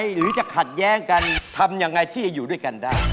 หรือจะขัดแย้งกันทำยังไงที่จะอยู่ด้วยกันได้